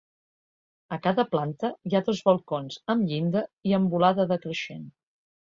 A cada planta hi ha dos balcons amb llinda i amb volada decreixent.